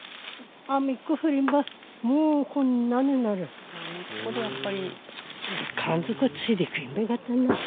雨っこでやっぱり。